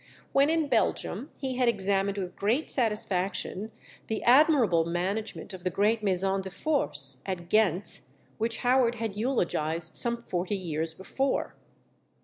When in Belgium he had examined with great satisfaction the admirable management of the great "Maison de Force" at Ghent, which Howard had eulogized some forty years before.